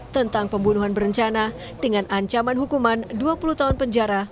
tentang pembunuhan berencana dengan ancaman hukuman dua puluh tahun penjara